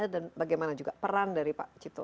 dan bagaimana juga peran dari pak cipta